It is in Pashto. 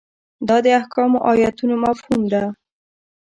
دا د احکامو ایتونو مفهوم ده.